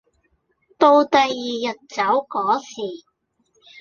到第二日走個時